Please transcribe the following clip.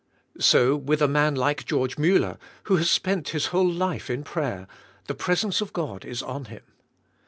So, with a man like Geo. Muller, who has spent his whole life in prayer, the presence of God is on him.